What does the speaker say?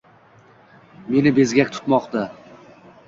Meni bezgak tutmoqda.